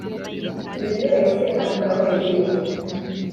Buri wese akora wenyine